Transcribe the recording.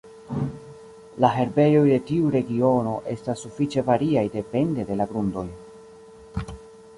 La herbejoj de tiu regiono estas sufiĉe variaj depende de la grundoj.